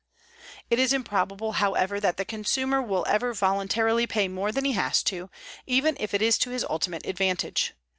It is improbable, however, that the consumer will ever voluntarily pay more than he has to, even if it is to his ultimate advantage.